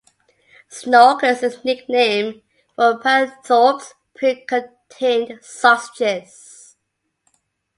Snorkers is the nickname for Palethorpe's pre-cooked tinned sausages.